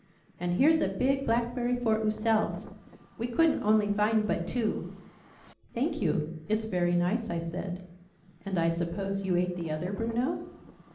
And here's a big blackberry for ooself! We couldn't only find but two!" "Thank you: it's very nice," I said. "And I suppose you ate the other, Bruno?"